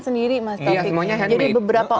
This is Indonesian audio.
sendiri mas jadi beberapa